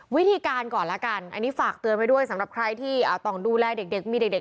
วิธีการก่อนแล้วกันอันนี้ฝากเตือนไว้ด้วยสำหรับใครที่ต้องดูแลเด็กมีเด็ก